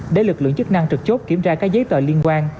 để lực lượng chức năng trực chốt kiểm tra các giấy tờ liên quan